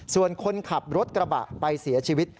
ส่วนคนขับรถกระบะไปเสียชีวิต